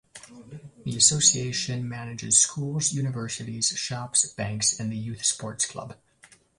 The association manages schools, universities, shops, banks and youth sports clubs.